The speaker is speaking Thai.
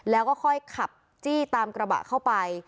แล้วก็ค่อยขับจี้ตามกระบะเข้าไป